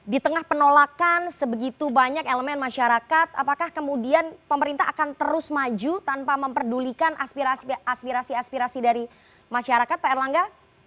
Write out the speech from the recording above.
di tengah penolakan sebegitu banyak elemen masyarakat apakah kemudian pemerintah akan terus maju tanpa memperdulikan aspirasi aspirasi dari masyarakat pak erlangga